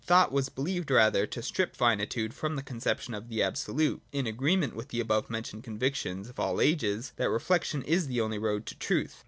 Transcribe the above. Thought was believed rather to strip finitude from the conceptions of the Absolute, — in agreement with the above mentioned conviction of all ages, that reflection is the only road to truth.